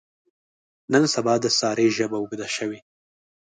نن سبا د سارې ژبه اوږده شوې.